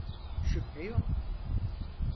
Şüphe yok.